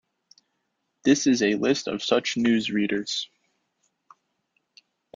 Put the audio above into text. This is a list of such newsreaders.